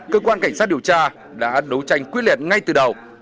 cơ quan cảnh sát điều tra đã đấu tranh quyết liệt ngay từ đầu